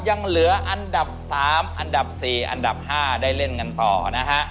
ยังเหลืออันดับ๓อันดับ๔อันดับ๕ได้เล่นกันต่อนะฮะ